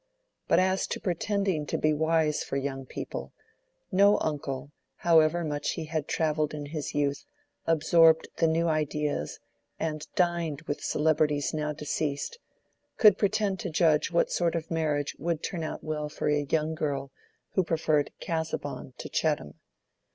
But as to pretending to be wise for young people,—no uncle, however much he had travelled in his youth, absorbed the new ideas, and dined with celebrities now deceased, could pretend to judge what sort of marriage would turn out well for a young girl who preferred Casaubon to Chettam.